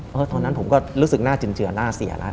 เพราะตอนนั้นผมก็รู้สึกหน้าจุนเจือหน้าเสียแล้ว